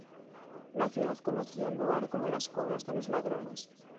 La ciudad conocía el lugar como la "Cueva de los Ladrones".